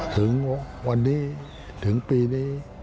ถึงวันนี้ถึงปีนี้